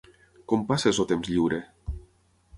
Com passes el temps lliure?